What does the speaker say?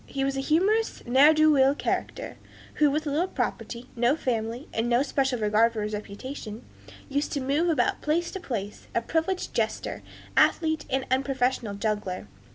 He was a humorous, ne'er do weel character, who, with a little property, no family, and no special regard for his reputation, used to move about from place to place, a privileged jester, athlete, and unprofessional juggler.